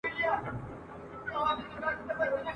داسي تېر سو لکه خوب وي چا لېدلی !.